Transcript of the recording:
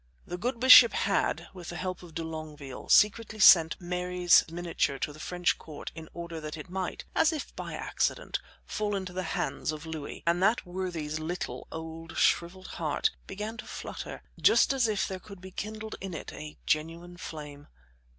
The good bishop had, with the help of de Longueville, secretly sent Mary's miniature to the French court in order that it might, as if by accident, fall into the hands of Louis, and that worthy's little, old, shriveled heart began to flutter, just as if there could be kindled in it a genuine flame.